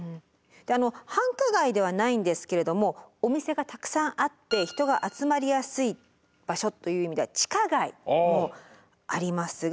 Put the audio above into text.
であの繁華街ではないんですけれどもお店がたくさんあって人が集まりやすい場所という意味では地下街もありますが。